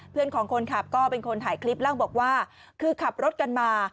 ของคนขับก็เป็นคนถ่ายคลิปเล่าบอกว่าคือขับรถกันมา